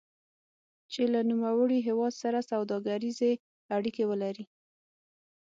چې له نوموړي هېواد سره سوداګریزې اړیکې ولري.